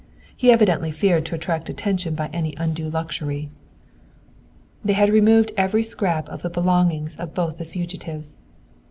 He evidently feared to attract attention by any undue luxury." They had removed every scrap of the belongings of both the fugitives.